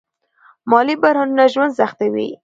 مالي بحرانونه ژوند سختوي.